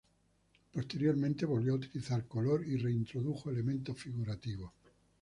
Posteriormente, volvió a utilizar color y re-introdujo elementos figurativos.